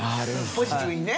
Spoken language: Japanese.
ポジティブにね。